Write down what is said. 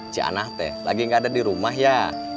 cik anahte lagi gak ada di rumah ya